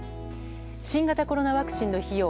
新型コロナワクチンの費用